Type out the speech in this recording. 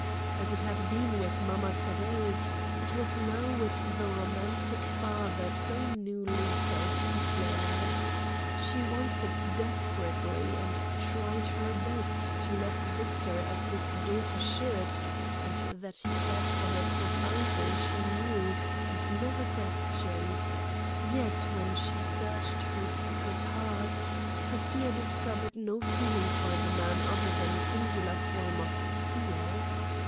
As it had been with Mama Thérèse, it was now with the romantic father so newly self declared. She wanted desperately and tried her best to love Victor as his daughter should; and that he cared for her profoundly she knew and never questioned; yet when she searched her secret heart Sofia discovered no feeling for the man other than a singular form of fear.